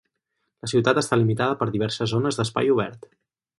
La ciutat està limitada per diverses zones d'espai obert.